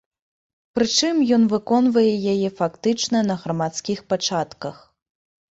Прычым, ён выконвае яе фактычна на грамадскіх пачатках.